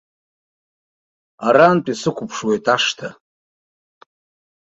Арантәи сықәыԥшуеит ашҭа.